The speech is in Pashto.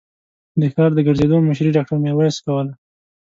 د ښار د ګرځېدو مشري ډاکټر ميرويس کوله.